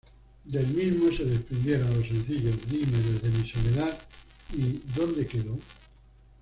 Del mismo, se desprendieron los sencillos ""Dime"", ""Desde Mi Soledad"" y ""¿Dónde Quedó?"".